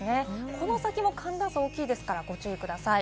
この先も寒暖差が大きいですからご注意ください。